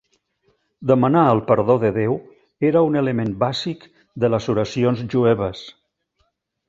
Demanar el perdó de Déu era un element bàsic de les oracions jueves.